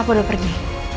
apa udah pergi